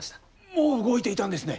もう動いていたんですね。